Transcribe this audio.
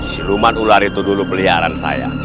siluman ular itu dulu peliharaan saya